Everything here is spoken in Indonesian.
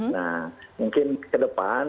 nah mungkin ke depan